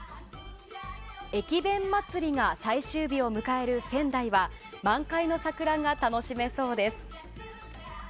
駅弁まつりが最終日を迎える仙台は満開の桜が楽しめそうです。